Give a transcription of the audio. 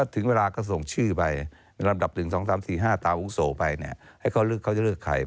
ถึงเวลาก็ส่งชื่อไปลำดับ๑๒๓๔๕ตาวุโสไปให้เขาเลือกเขาจะเลือกใคร